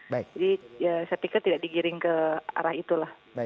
jadi saya pikir tidak digiring ke arah itulah